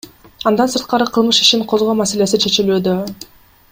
Андан сырткары кылмыш ишин козгоо маселеси чечилүүдө.